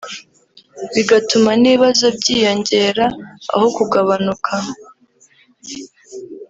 bigatuma n’ibibazo byiyongera aho kugabanuka